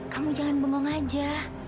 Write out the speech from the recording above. kamu jangan bengong aja